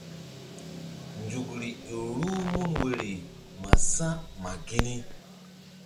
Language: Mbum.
Nzukri ƴo ruh mun woyri ma sa̧ ma gini.